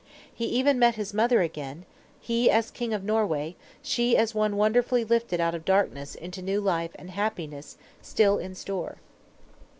He even met his mother again, he as king of Norway, she as one wonderfully lifted out of darkness into new life and happiness still in store.